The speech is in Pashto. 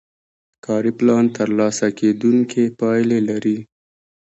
کاري پلان ترلاسه کیدونکې پایلې لري.